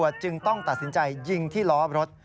จึงต้องตัดสินใจยิงที่ล้อรถ